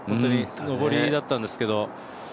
上りだったんですけど。